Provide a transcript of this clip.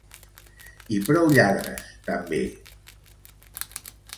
I prou lladres, també!